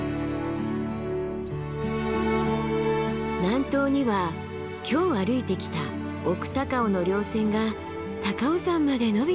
南東には今日歩いてきた奥高尾の稜線が高尾山までのびてる！